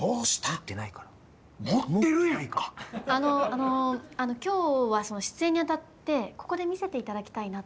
あの今日は出演にあたってここで見せていただきたいなと思って。